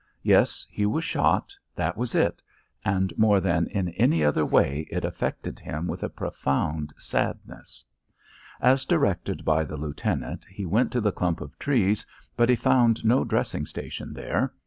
Yes, he was shot; that was it. And more than in any other way it affected him with a profound sadness. As directed by the lieutenant, he went to the clump of trees, but he found no dressing station there.